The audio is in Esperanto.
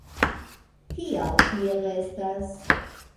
Kial, tiel estas?